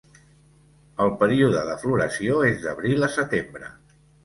El període de floració és d'abril a setembre.